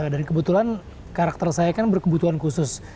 dan kebetulan karakter saya kan berkebutuhan khusus